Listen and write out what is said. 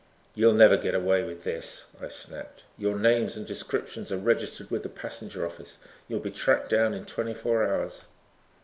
"You'll never get away with this," I snapped, "your names and descriptions are registered with the passenger office. You'll be tracked down in twenty four hours."